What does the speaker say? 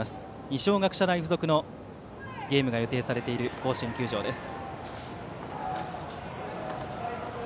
二松学舎大付属のゲームが予定されている甲子園球場です。